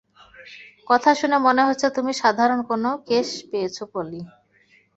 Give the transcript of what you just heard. কথা শুনে মনে হচ্ছে তুমি সাধারণ কোনো কেস পেয়েছো, পলি।